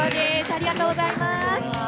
ありがとうございます。